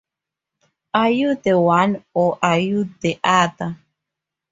Are you the one...or are you the other?